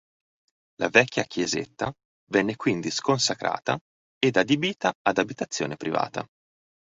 La vecchia chiesetta venne quindi sconsacrata ed adibita ad abitazione privata.